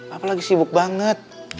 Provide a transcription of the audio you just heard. apalagi sibuk banget